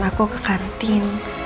aku ke kantin